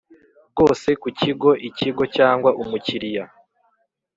bwose ku kigo Ikigo cyangwa umukiriya